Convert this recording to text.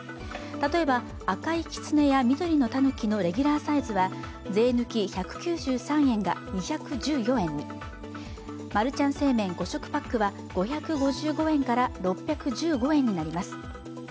例えば、赤いきつねや緑のたぬきのレギュラーサイズは税抜き１９３円が２１４円に、マルちゃん正麺５食パックは５５５円から６１５円になります。